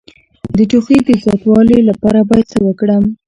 د ټوخي د زیاتوالي لپاره باید څه وکړم؟